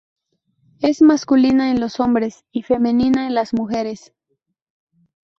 Es masculina en los hombres y femenina en las mujeres.